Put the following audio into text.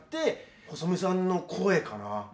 細美さんの声かな。